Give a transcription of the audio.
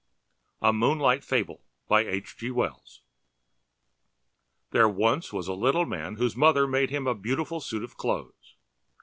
A MOONLIGHT FABLE There was once a little man whose mother made him a beautiful suit of clothes.